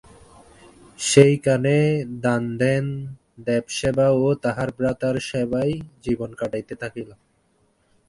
সেইখানে দানধ্যান, দেবসেবা ও তাহার ভ্রাতার সেবায় জীবন কাটাইতে থাকিল।